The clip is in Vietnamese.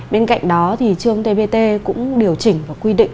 bên cạnh đó thì chương tbt cũng điều chỉnh và quy định